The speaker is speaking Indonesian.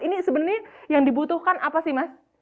ini sebenarnya yang dibutuhkan apa sih mas